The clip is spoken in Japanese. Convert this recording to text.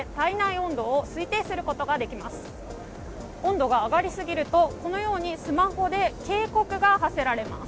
温度が上がりすぎるとこのように、スマホで警告が発せられます。